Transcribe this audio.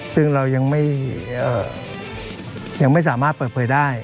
ซึ่งเรายังไม่สามารถเปิดเผยได้